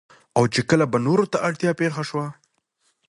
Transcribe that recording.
او چې کله به نورو ته اړتيا پېښه شوه